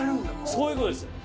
そういうことです。